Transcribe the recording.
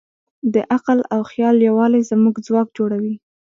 د عقل او خیال یووالی زموږ ځواک جوړوي.